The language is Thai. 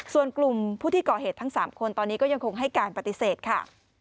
ส่วนกลุ่มผู้ที่ก่อเหตุทั้ง๓คนตอนนี้ก็ยังคงให้การปฏิเสธค่ะ